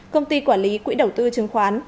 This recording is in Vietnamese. công ty quản lý quỹ đầu tư chứng khoán